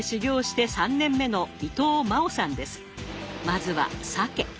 まずはサケ。